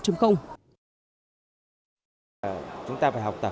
chúng ta phải học tập